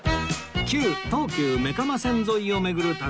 旧東急目蒲線沿いを巡る旅